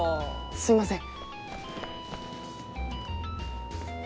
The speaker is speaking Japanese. すいません。